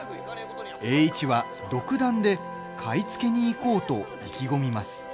栄一は独断で買い付けに行こうと意気込みます。